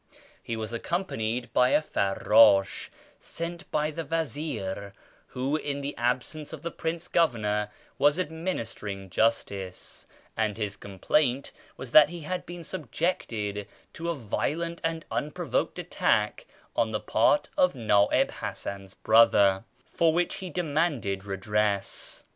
He was' accompanied by a farrdtsh sent by the vcizir (who, in the absence of the Prince Governor, was administer ing justice), and his complaint was that he had been subjected to a violent and unprovoked attack on the part of Na'ib Hasan's brother, for which he demanded redress.